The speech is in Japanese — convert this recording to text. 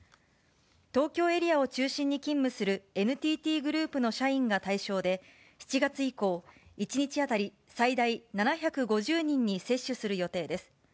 東京エリアを中心に勤務するＮＴＴグループの社員が対象で、７月以降、１日当たり最大７５０人に接種する予定です。